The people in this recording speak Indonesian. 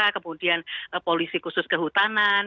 kemudian polisi khusus kehutupan